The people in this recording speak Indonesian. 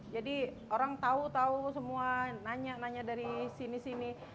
jadi orang tahu tahu semua nanya nanya dari sini sini